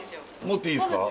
持っていいんすか？